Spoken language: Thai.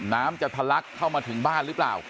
น้ำจะทะลักเข้ามาถึงบ้านหรือเปล่า